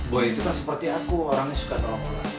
boy itu kan seperti aku orangnya suka tolong orang